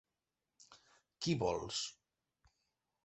Qui vols?